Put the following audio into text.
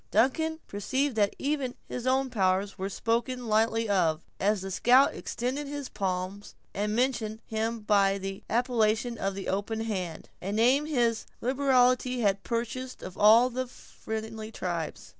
Duncan perceived that even his own powers were spoken lightly of, as the scout extended his palm, and mentioned him by the appellation of the "Open Hand"—a name his liberality had purchased of all the friendly tribes.